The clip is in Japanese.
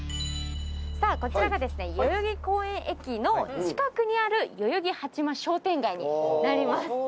さあこちらが代々木公園駅の近くにある代々木八幡商店街になります